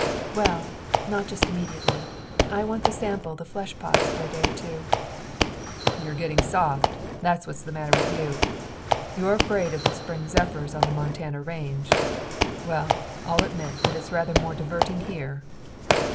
"Well, not just immediately; I want to sample the flesh pots for a day or two." "You're getting soft, that's what's the matter with you! You're afraid of the spring zephyrs on the Montana range. Well, I'll admit that it's rather more diverting here."